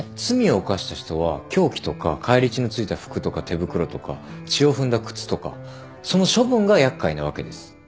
罪を犯した人は凶器とか返り血のついた服とか手袋とか血を踏んだ靴とかその処分が厄介なわけです。